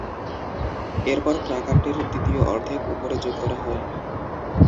এরপর ক্রাকারটির দ্বিতীয় অর্ধেক উপরে যোগ করা হয়।